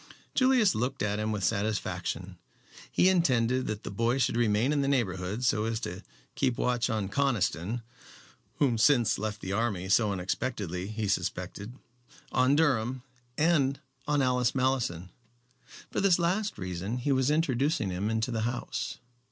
Julius looked at him with satisfaction. He intended that the boy should remain in the neighborhood so as to keep watch on Conniston whom since he left the army so unexpectedly he suspected on Durham, and on Alice Malleson. For this last reason he was introducing him into the house.